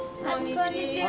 こんにちは。